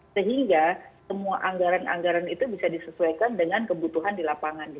sehingga semua anggaran anggaran itu bisa disesuaikan dengan kebutuhan di lapangan